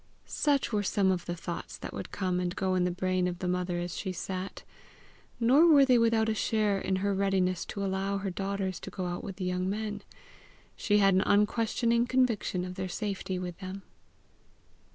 Such were some of the thoughts that would come and go in the brain of the mother as she sat; nor were they without a share in her readiness to allow her daughters to go out with the young men: she had an unquestioning conviction of their safety with them.